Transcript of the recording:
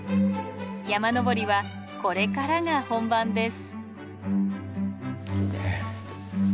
山登りはこれからが本番です。